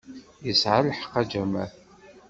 Yesɛa lḥeqq a Jamal.